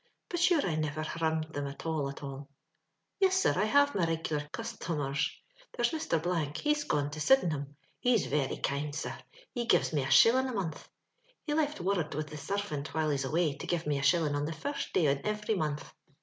But sure I niver harrumed them at all, at alL Yis, sir, I have my rigular custhomers : there's Mr. , he's gone to Sydenham ; he's very kind, sir. He gives me a shiUing a month. He left worrud with the sarvint while he's away to give me a shilling on the first day in eveiy month.